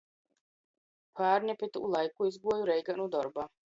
Pārņ ap itū laiku izguoju Reigā nu dorba.